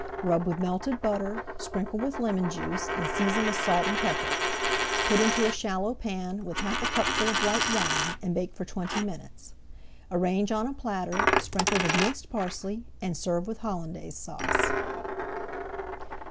Rub with melted butter, sprinkle with lemon juice, and season with salt and pepper. Put into a shallow pan with half a cupful of white wine, and bake for twenty minutes. Arrange on a platter, sprinkle with minced parsley, and serve with Hollandaise Sauce.